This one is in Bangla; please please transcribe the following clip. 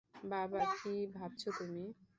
বাবা, কী ভাবছো তুমি?